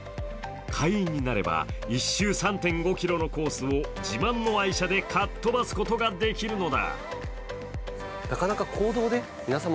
会員になれば１周３．５ｋｍのコースを自慢の愛車でかっ飛ばすことができるのだ。